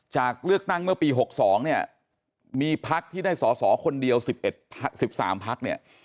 จากเลือกตั้งเมื่อปี๖๒มีพักที่ได้สอคนเดียว๑๓พัก